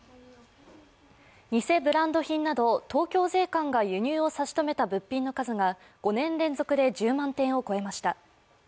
偽ブランド品など東京税関が輸入を差し止めた物品の数が５年連続で１０万点を超えました。